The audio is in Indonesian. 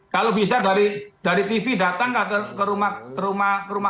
kalau bisa dari tv datang ke rumah